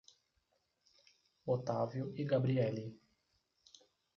Otávio e Gabrielly